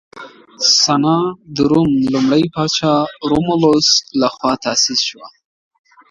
سنا د روم لومړي پاچا رومولوس لخوا تاسیس شوه